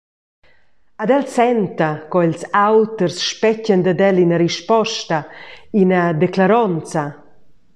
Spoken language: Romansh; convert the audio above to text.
Ed el senta co ils auters spetgan dad el ina risposta, ina declaronza.